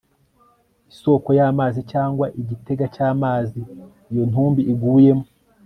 Isoko y amazi cyangwa igitega cy amazi iyo ntumbi iguyemo